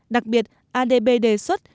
đặc biệt adb đề xuất